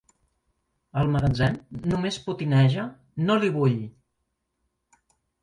Al magatzem només potineja: no l'hi vull!